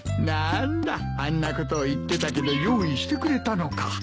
何だあんなことを言ってたけど用意してくれたのか。